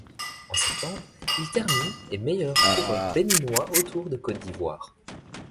En septembre, il termine et meilleur coureur béninois au Tour de Côte d'Ivoire.